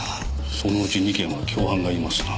そのうち２件は共犯がいますなぁ。